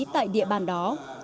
tại địa bàn đó